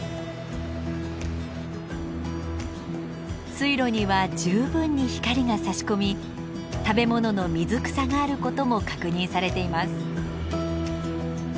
水路には十分に光がさし込み食べ物の水草があることも確認されています。